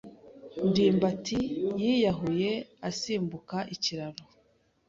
ndimbati yiyahuye asimbuka ikiraro.